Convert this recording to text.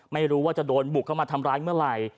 ไม่รู้ว่าจะโดนบุกเข้ามาทำร้ายเมื่อไหร่